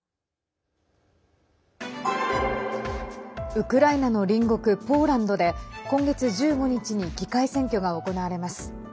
ウクライナの隣国ポーランドで今月１５日に議会選挙が行われます。